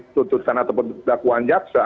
tuntutan ataupun dakwaan jaksa